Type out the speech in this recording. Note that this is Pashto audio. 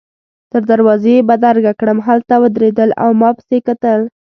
تر دروازې يې بدرګه کړم، هلته ودرېدل او ما پسي کتل.